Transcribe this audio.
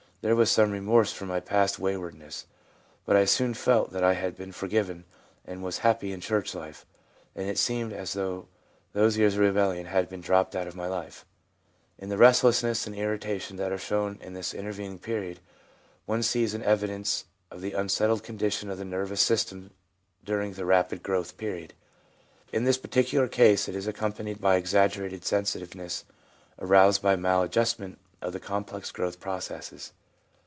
There was some remorse for my past waywardness, but I soon felt that I had been forgiven and was happy in church life ; and it seemed as though those years of rebellion had been dropped out of my life/ In the restlessness and irrita tion that are shown in this intervening period, one sees an evidence of the unsettled condition of the nervous system during the rapid growth period. In this par ticular case it is accompanied by exaggerated sensitive ness aroused by maladjustment of the complex growth processes.